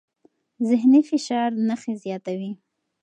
ذهني فشار نښې زیاتوي.